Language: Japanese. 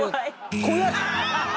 怖い。